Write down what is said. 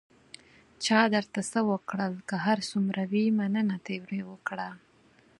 چا درته څه وکړل، که هر څومره وي، مننه ترې وکړه.